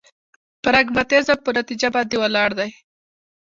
پراګماتيزم په نتيجه باندې ولاړ دی.